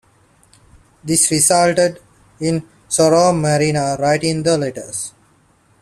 This resulted in Soror Mariana writing the letters.